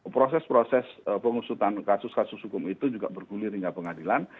proses proses pengusutan kasus kasus hukum itu juga bergulir hingga pengadilan